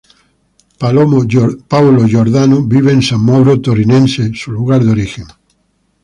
Paolo Giordano vive en San Mauro Torinese, su lugar de origen.